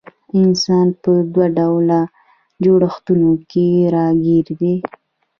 انسان په دوه ډوله جوړښتونو کي راګېر دی